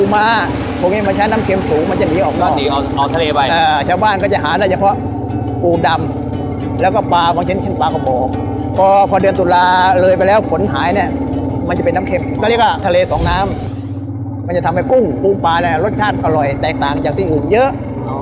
มันจะทำให้ปุ้งปลูงปลารสชาติอร่อยแตกต่างจากที่อุ่งเยอะ